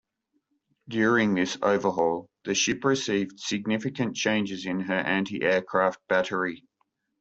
During this overhaul, the ship received significant changes in her antiaircraft battery.